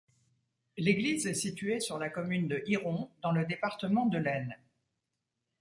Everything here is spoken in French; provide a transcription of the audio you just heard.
L'église est située sur la commune de Iron, dans le département de l'Aisne.